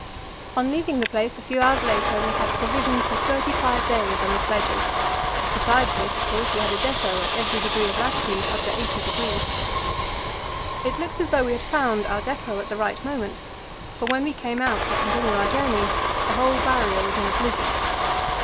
On leaving the place a few hours later we had provisions for thirty five days on the sledges. Besides this, of course, we had a depot at every degree of latitude up to 80°. It looked as though we had found our depot at the right moment, for when we came out to continue our journey the whole Barrier was in a blizzard.